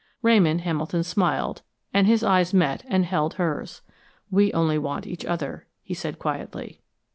Ramon Hamilton smiled, and his eyes met and held hers. "We only want each other," he said quietly.